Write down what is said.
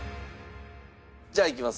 じゃあいきます。